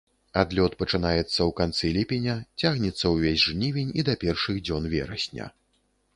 Адлёт пачынаецца ў канцы ліпеня, цягнецца ўвесь жнівень і да першых дзён верасня.